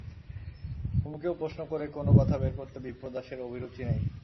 কুমুকেও প্রশ্ন করে কোনো কথা বের করতে বিপ্রদাসের অভিরুচি নেই।